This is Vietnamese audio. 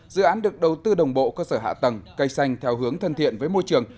dự án được đầu tư đồng bộ cơ sở hạ tầng cây xanh theo hướng thân thiện với môi trường